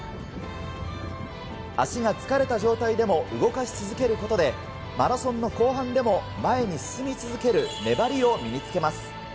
足が疲れた状態でも動かし続けることでマラソン後半でも前に進み続ける粘りをつけます。